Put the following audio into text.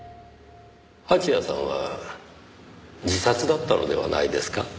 蜂矢さんは自殺だったのではないですか？